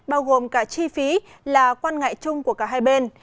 bao gồm cả chi phí là quan ngại chung của cả hai bên